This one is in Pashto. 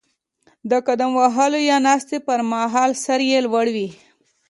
د قدم وهلو یا ناستې پر مهال سر یې لوړ وي.